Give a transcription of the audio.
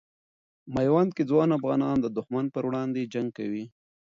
میوند کې ځوان افغانان د دښمن پر وړاندې جنګ کوي.